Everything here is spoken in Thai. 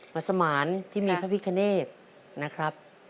ัสมานที่มีพระพิคเนธนะครับ